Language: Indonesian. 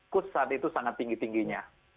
kurs saat itu sangat tinggi tingginya